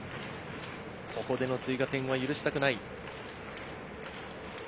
ここでの追加点は許したくない。